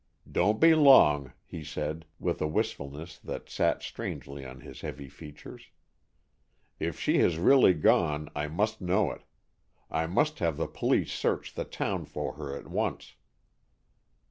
"Don't be long," he said, with a wistfulness that sat strangely on his heavy features. "If she has really gone, I must know it. I must have the police search the town for her at once."